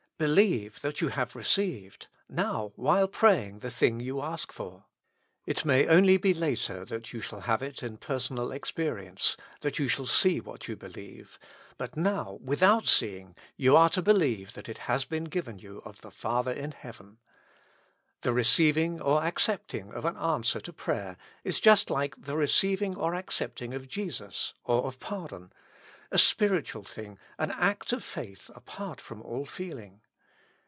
Believe that you have received ! now, while praying, the thing you ask for. It may only be later that 3'ou shall have it in personal experience, that you shall see what you believe ; but now, without seeing, you are to believe that it has been given you of the Father in heaven. The receiv ing or accepting of an answer to prayer is just like the receiving or accepting of Jesus or of pardon, a spiritual thing, an act of faith apart from all feeling.